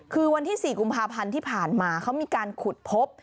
คือวันที่๔กุมภาพันธ์ที่ผ่านมาเขามีการขุดพบ